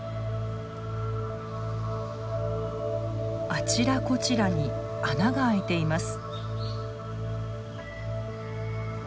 あちらこちらに穴が開いています。